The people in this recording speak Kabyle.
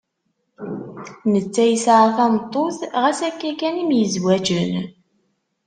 Netta yesɛa tameṭṭut, ɣas akka kan i myezwaǧen.